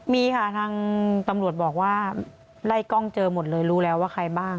มีค่ะทางตำรวจบอกว่าไล่กล้องเจอหมดเลยรู้แล้วว่าใครบ้าง